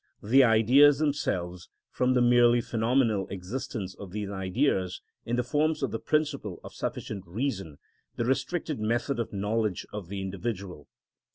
_, the Ideas themselves, from the merely phenomenal existence of these Ideas in the forms of the principle of sufficient reason, the restricted method of knowledge of the individual.